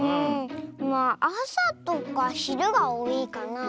まああさとかひるがおおいかな。